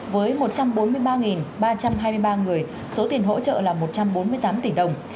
với một trăm bốn mươi ba ba trăm hai mươi ba người số tiền hỗ trợ là một trăm bốn mươi tám tỷ đồng